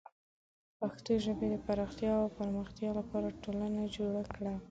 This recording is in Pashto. د پښتو ژبې د پراختیا او پرمختیا لپاره ټولنه جوړه کړه.